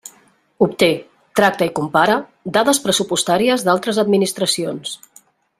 Obté, tracta i compara dades pressupostàries d'altres administracions.